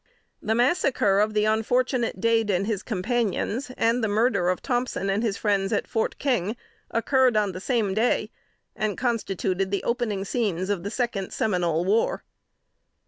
The massacre of the unfortunate Dade and his companions, and the murder of Thompson and his friends, at Fort King, occurred on the same day, and constituted the opening scenes of the second Seminole War.